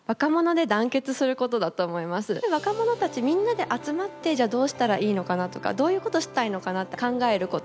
若者たちみんなで集まってじゃあどうしたらいいのかなとかどういうことしたいのかなって考えること。